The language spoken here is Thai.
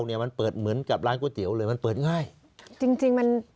เนี้ยมันเปิดเหมือนกับร้านก๋วยเตี๋ยวเลยมันเปิดง่ายจริงจริงมัน